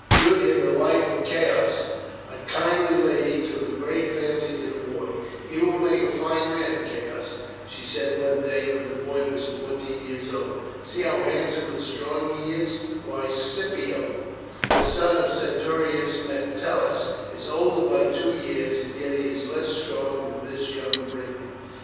Julia, the wife of Caius, a kindly lady, took a great fancy to the boy. "He will make a fine man, Caius," she said one day when the boy was fourteen years old. "See how handsome and strong he is; why, Scipio, the son of the centurion Metellus, is older by two years, and yet he is less strong than this young Briton."